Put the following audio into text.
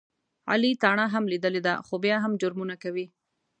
علي تاڼه هم لیدلې ده، خو بیا هم جرمونه کوي.